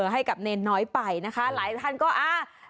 แน่นน้อยไปนะคะ